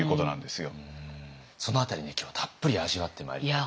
その辺りね今日たっぷり味わってまいりたいと思います。